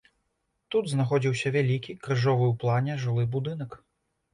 Тут знаходзіўся вялікі крыжовы ў плане жылы будынак.